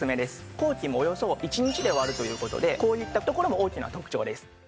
工期もおよそ１日で終わるという事でこういったところも大きな特徴です。